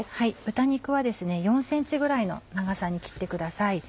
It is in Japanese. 豚肉は４ｃｍぐらいの長さに切ってください。